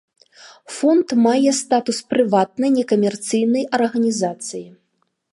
Фонд мае статус прыватнай некамерцыйнай арганізацыі.